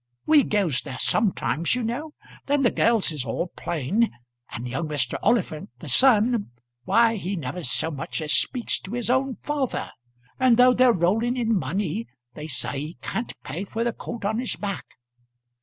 We goes there sometimes, you know. Then the girls is all plain; and young Mr. Oliphant, the son, why he never so much as speaks to his own father; and though they're rolling in money, they say he can't pay for the coat on his back.